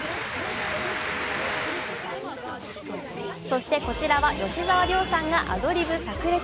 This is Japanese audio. そしてこちらは吉沢亮さんがアドリブさく裂。